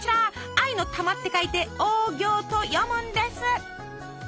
愛の玉って書いて「オーギョー」と読むんです。